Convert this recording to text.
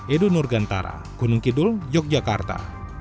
edo nurgantara gunung kidul yogyakarta